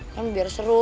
kan biar seru